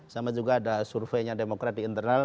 sama juga ada surveinya demokrat di internal